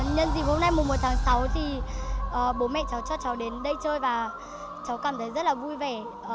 nhân dịp hôm nay mùa một tháng sáu thì bố mẹ cháu cho cháu đến đây chơi và cháu cảm thấy rất là vui vẻ